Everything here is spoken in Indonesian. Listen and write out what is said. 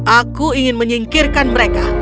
aku ingin menyingkirkan mereka